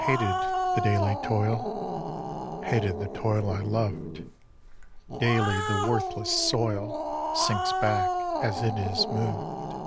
Hated the daily toil; Hated the toil I loved; Daily the worthless soil Sinks back as it is moved.